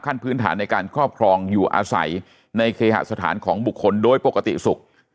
พื้นฐานในการครอบครองอยู่อาศัยในเคหสถานของบุคคลโดยปกติสุข